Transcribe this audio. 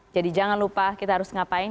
jadi jangan lupa kita harus ngapain